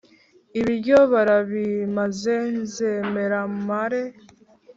ibiryo barabimaze, nzemera mpare